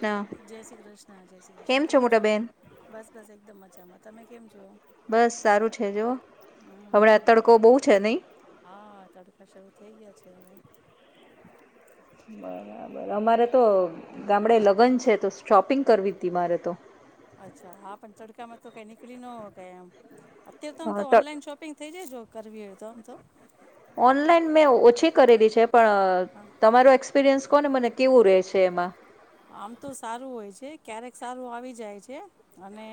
ના જય શ્રી કૃષ્ણ જય શ્રી કૃષ્ણ કેમ છો બસ બસ એકદમ મજા મ. તમે કેમ. છો બસ સારું છે જો હણા હમ તડકો બહુ છે નહી. હા તડકા શરૂ થઈ ગયા છે હવે. બરાબર અમારે તો ગામડે લગ્ન છે તો શોપિંગ કરવી હતી મારે તો. અચ્છા હા પણ તડકામાં તો કઈ નીકળી ન શક્યુંએમ. અત્યંત તો ઓનલાઈન શોપિંગ. થઈ જાય જો કરવી હોય તો આમ તો. ઓનલાઈન મેં ઓછી કરેલી છે. પણ હા, તમારો એક્સ. એક્સપિરિયન્સ કોને મને કેવું રહે છે એમાં. આમ તો સારું હોય છે ક્યારેક સારું આવી જાય છે. અને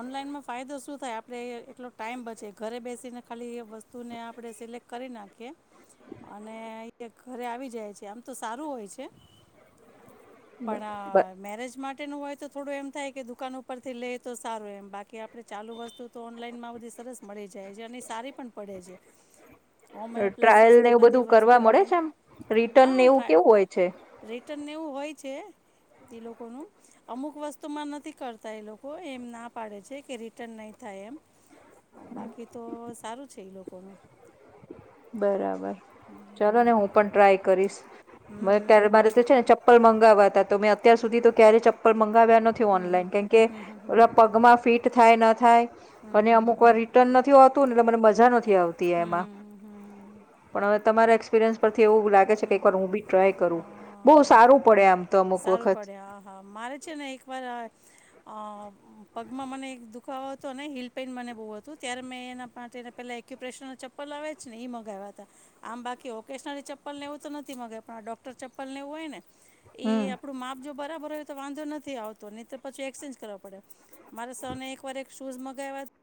ઓનલાઈનમાં ફાયદો શું થાય આપણે એટલો ટાઈમ બચે ઘરે બેસીને ખાલી એ વસ્તુને આપણે સિલેક્ટ કરી નાખીએ. અને ઘરે આવી જાય છે આમ તો સારું હોય છે. પણ મેરેજ માટે હોય તો થોડું એમ થાય કે દુકાન ઉપર થી લે તો સારું એમ બાકી આપડણે ચાલુ વસ્તુ. તો ઓનલાઈન માં બધ સરસ મળે છે. જ છે અને સારી પણ પડે છે. હોમ ટ્રાયલ ને એપ્લાયન્સીસની એવું બધી બધું કરવા વસ્તુ મળે હોય છે આમ રિટર્નને હા એવું ટ્રાય કેવું હોય છે. રિટર્નને એવું હોય છે એ લોકોનું અમુક વસ્તુમાં નથી કરતા એ લોકો એમ ના પાડે છે કે રિટર્ન નહીં થાય એમ. બાકી તો સારું છે લોકો. કોણ? બરાબર. ચાલો ને હું પણ ટ્રાય કરીશ. હમ ક્યારે હમ મારે તો છે ને ચપ્પલ હતા તોં અત્યાર સુધી તો ક્યારે ચપર મંગ નથી ઓનલાઈન કે પગમાં ફીટ તે થાય ન થાય. અને હમ અમુક હમ હમ વાર રિટર્ન નથી હોતું ને. એ મને મજા નથી. આવતી હમ હમ એમાં. હમ હમ હમ પણ હવે તમારા એક્સપિરિયન્સ પરથી એવું લાગે છે કે હમ એક વાર હું બી ટ્રાય કરું હા બહુ હા સારું પડે આમ તો અમુક સારું વખત. પડે હા હા મારે છે ને એકવાર અ પગમાં મને એક દુખાવો હતો ને હિલ પેઇન મને બહુ હતું ત્યારે મેં એના માટેને પહેલાં એક્યુપ્રેશનલ ચપ્પલ લાવ્યા છે ને એ મગાવ્યા હતા આમ બાકી ઓકેશનરી ચપ્પલ ચપલ નેવું તો નથી મંગ પણ આ ડૉક્ટર ચપ્પલ લેવું હોય ને એ હમ આપડું માપ જો બરાબર હોય તો વાંધો નથી આવતો નહી તો પછી એક્સચેન્જ કરવા પડે. મારે સને એક વાર શૂઝ મંગાઈવતા.